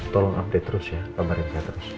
tolong update terus ya pamerin saya terus